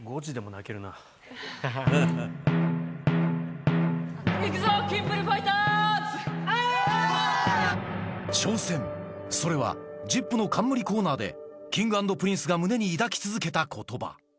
いくぞ、キンプリファイター挑戦、それはＺＩＰ！の冠コーナーで、Ｋｉｎｇ＆Ｐｒｉｎｃｅが胸に抱き続けたことば。